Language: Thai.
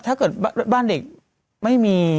ถ้าเกิดบ้านเด็กไม่มี